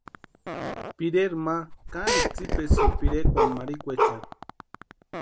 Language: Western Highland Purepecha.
Pireri ma kanikwa tsipesïnti pirekwani marikwaechani.